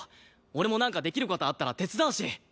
俺もなんかできる事あったら手伝うし！